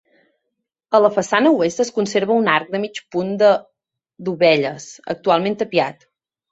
A la façana oest es conserva un arc de mig punt de dovelles, actualment tapiat.